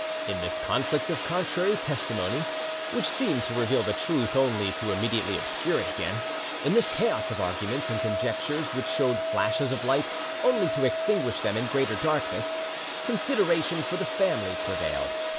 In this conflict of contrary testimony, which seemed to reveal the truth only to immediately obscure it again, in this chaos of arguments and conjectures which showed flashes of light only to extinguish them in greater darkness, consideration for the family prevailed.